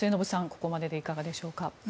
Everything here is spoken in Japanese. ここまででいかがでしょうか。